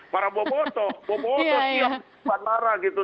para boboto boboto siap ke bandara gitu